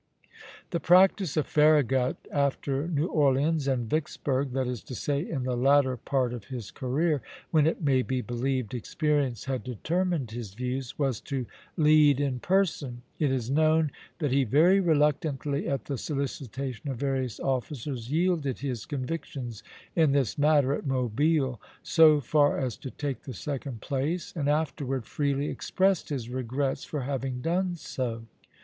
The practice of Farragut after New Orleans and Vicksburg, that is to say, in the latter part of his career, when it may be believed experience had determined his views, was to lead in person. It is known that he very reluctantly, at the solicitation of various officers, yielded his convictions in this matter at Mobile so far as to take the second place, and afterward freely expressed his regrets for having done so.